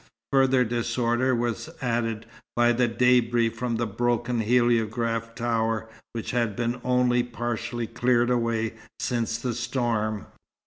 Further disorder was added by the débris from the broken heliograph tower which had been only partially cleared away since the storm.